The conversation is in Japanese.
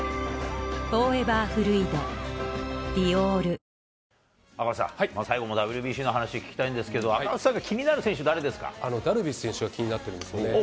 東京も朝、赤星さん、最後もＷＢＣの話聞きたいんですけど、赤星さんが気になる選手、ダルビッシュ選手が気になってるんですよね。